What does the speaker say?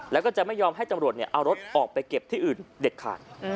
แล้วก็จะไม่ยอมให้ตำรวจเอารถออกไปเก็บที่อื่นเด็ดขาด